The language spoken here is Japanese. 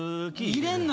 入れんな。